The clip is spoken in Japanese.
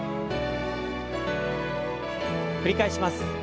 繰り返します。